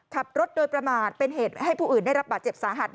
ขับรถโดยประมาทเป็นเหตุให้ผู้อื่นได้รับบาดเจ็บสาหัส